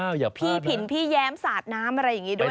พี่ผินพี่แย้มสาดน้ำอะไรอย่างนี้ด้วย